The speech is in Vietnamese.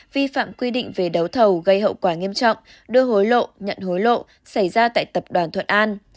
vi phạm quy định về đấu thầu gây hậu quả nghiêm trọng đưa hối lộ nhận hối lộ xảy ra tại tập đoàn thuận an